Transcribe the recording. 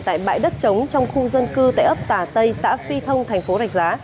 tại bãi đất trống trong khu dân cư tại ấp tà tây xã phi thông tp rạch giá